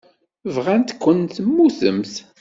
Bɣan-kent temmutemt.